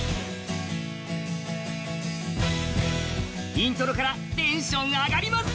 イントロからテンション上がります。